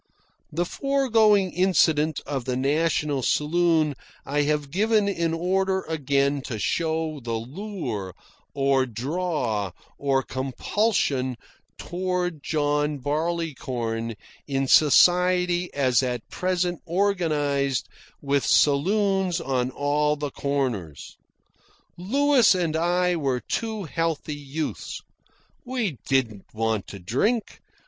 The foregoing incident of the National Saloon I have given in order again to show the lure, or draw, or compulsion, toward John Barleycorn in society as at present organised with saloons on all the corners. Louis and I were two healthy youths. We didn't want to drink.